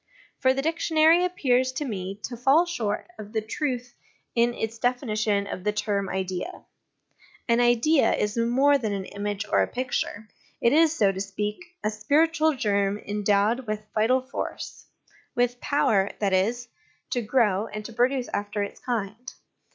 For the dictionary appears to me to fall short of the truth in its definition of the term * idea! An idea is more than an image or a picture ; it is, so to speak, a spiritual germ endowed with vital force with power, that is, to grow, and to produce after its kind.